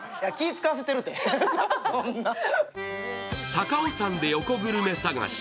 高尾山で横グルメ探し。